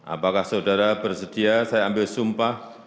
apakah saudara bersedia saya ambil sumpah